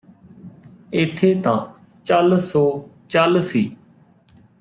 ਇਥੇ ਤਾਂ ਚੱਲ ਸੋ ਚੱਲ ਸੀ